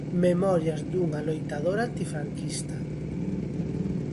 Memorias dunha loitadora antifranquista.